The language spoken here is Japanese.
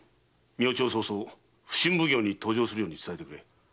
明朝早々普請奉行に登城するように伝えてくれ。